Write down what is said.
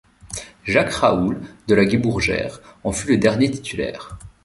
Jacques Raoul de la Guibourgère en fut le dernier titulaire.